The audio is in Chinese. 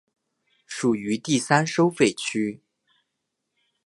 属于第三收费区。